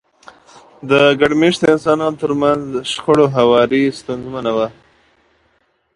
د ګډ مېشته انسانانو ترمنځ شخړو هواری ستونزمنه وه.